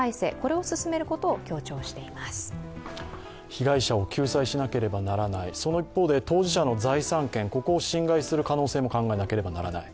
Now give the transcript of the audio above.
被害者を救済しなければならない、その一方、当事者の財産権を侵害する可能性も考えなければならない。